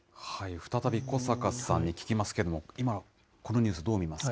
再び小坂さんに聞きますけども、今、このニュース、どう見ますか？